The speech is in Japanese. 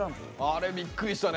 あれびっくりしたね。